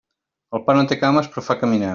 El pa no té cames, però fa caminar.